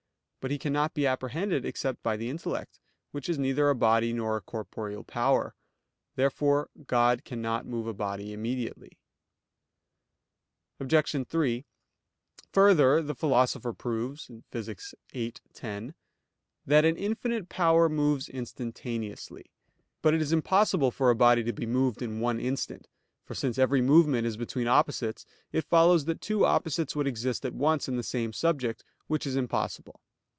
But He cannot be apprehended except by the intellect, which is neither a body nor a corporeal power. Therefore God cannot move a body immediately. Obj. 3: Further, the Philosopher proves (Phys. viii, 10) that an infinite power moves instantaneously. But it is impossible for a body to be moved in one instant; for since every movement is between opposites, it follows that two opposites would exist at once in the same subject, which is impossible.